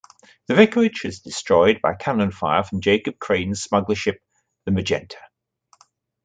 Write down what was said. The vicarage is destroyed by cannon fire from Jacob Crane's smuggler ship 'The Magenta'.